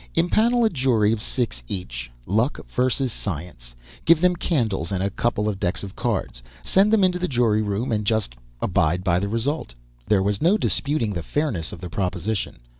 "Impanel a jury of six of each, Luck versus Science. Give them candles and a couple of decks of cards. Send them into the jury room, and just abide by the result!" There was no disputing the fairness of the proposition.